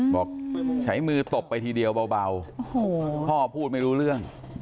บอกใช้มือตบไปทีเดียวเบาพ่อพูดไม่รู้เรื่อง